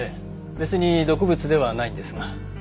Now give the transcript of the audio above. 別に毒物ではないんですが。